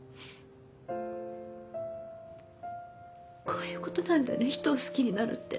こういうことなんだね人を好きになるって。